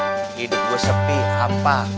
hidup gue sepi hampa